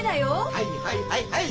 はいはいはいはい。